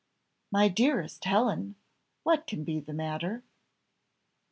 "My dearest Helen! what can be the matter?"